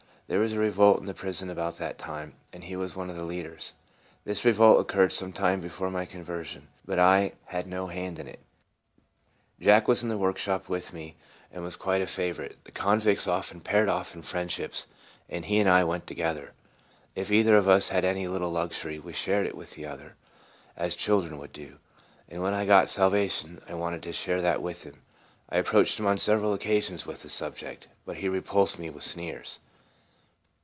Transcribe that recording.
There was a revolt in the prison about that time, and he was one of the lead ers. This revolt occurred some time before my conversion, but I had no hand in it. Jack was in the same workshop with me, and was quite a favorite. The convicts often paired off in friendships, and he and I went together. If either of us had any little luxury we shared it with the other, as chil dren would do ; and when I got salvation I wanted to share that with him. I approached him on several occasions with the subject, but he reDulsed me with sneers.